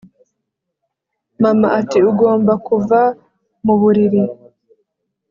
Mama ati ugomba kuva muburiri